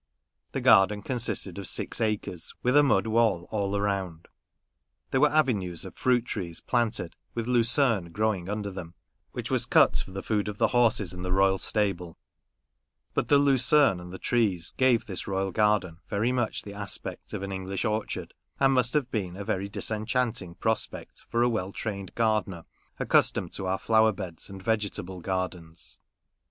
This garden consisted of six acres, with a mud wall all round. There were avenues of fruit trees planted, with lucerne growing under them, which was cut for the food of the horses in the royal stable ; but the lucerne and the trees gave this royal garden very much the aspect of an English orchard, and must have been a very disenchanting prospect for a well trained gardener, accustomed to our flower beds, and vegetable gardens.